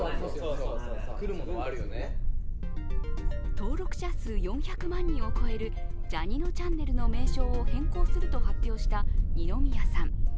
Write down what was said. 登録者数４００万人を超えるジャにのちゃんねるの名称を変更すると発表した二宮さん。